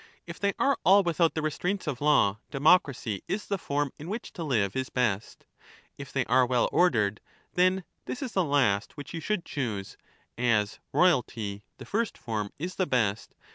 If they are all without the lawless and restraints of law, democracy is the form in which to live is the worst best ; if they are well ordered, then this is the last which goygrn you should choose, as royalty, the first form, is the best, with ments.